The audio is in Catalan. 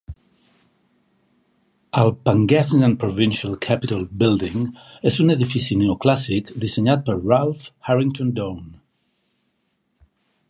El "Pangasinan Provincial Capitol Building" és un edifici neoclàssic dissenyat per Ralph Harrington Doane.